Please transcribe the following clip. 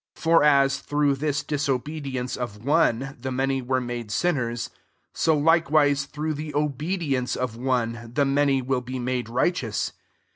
19 For as through this disobedience of one the many were made sinners, so likewise through the obedience of one the many will be made righteous.